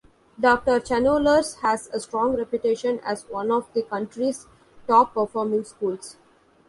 Doctor Challoner's has a strong reputation as one of the country's top performing schools.